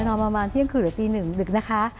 นอนประมาณเที่ยงก่อนคืนหรือ๑ถึงดึกนะคะ